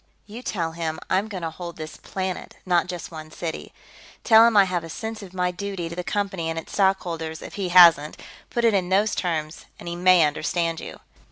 "You tell him I'm going to hold this planet, not just one city. Tell him I have a sense of my duty to the Company and its stockholders, if he hasn't; put it in those terms and he may understand you."